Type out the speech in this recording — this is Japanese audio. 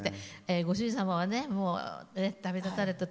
ご主人様は旅立たれたと。